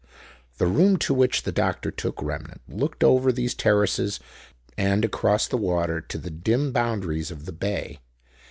The room to which the doctor took Remnant looked over these terraces and across the water to the dim boundaries of the bay.